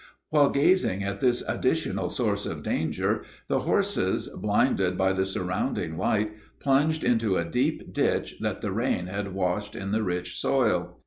While gazing at this additional source of danger, the horses, blinded by the surrounding light, plunged into a deep ditch that the rain had washed in the rich soil.